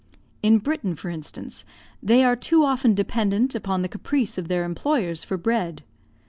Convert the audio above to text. In Britain, for instance, they are too often dependent upon the caprice of their employers for bread.